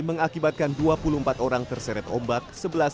mengakibatkan dua puluh empat orang terseret ombak